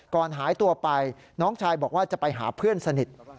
หายตัวไปน้องชายบอกว่าจะไปหาเพื่อนสนิท